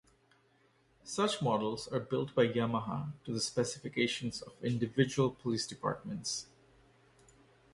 Such models are built by Yamaha to the specifications of individual police departments.